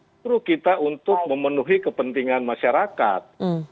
justru kita untuk memenuhi kepentingan masyarakat